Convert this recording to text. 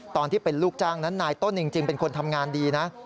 ตอนที่เป็นลูกจ้างนั้นนายต้นจริงเป็นคนทำงานดีนะ